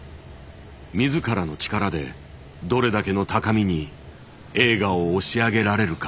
自らの力でどれだけの高みに映画を押し上げられるか。